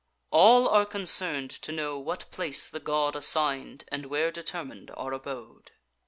"All are concern'd to know what place the god Assign'd, and where determin'd our abode.